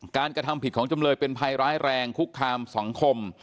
กระทำผิดของจำเลยเป็นภัยร้ายแรงคุกคามสังคม